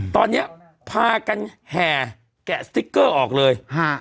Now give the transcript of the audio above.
ตอนนี้พากันแห่แกะสติ๊กเกอร์ออกเลย